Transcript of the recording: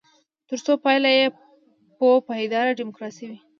ترڅو پایله یې یوه پایداره ډیموکراسي وي.